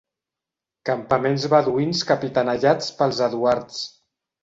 Campaments beduïns capitanejats pels Eduards.